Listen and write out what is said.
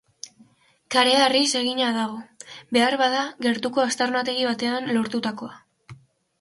Kareharriz egina dago, beharbada, gertuko aztarnategi batean lortutakoa.